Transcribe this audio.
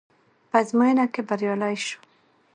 په ازموينه کې بريالی شوم.